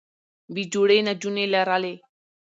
بې جوړې نجونې لرلې